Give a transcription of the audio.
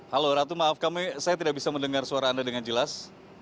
halo ratu maaf kami saya tidak bisa mendengar suara anda dengan jelas